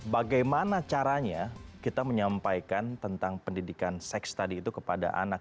bagaimana caranya kita menyampaikan tentang pendidikan seks tadi itu kepada anak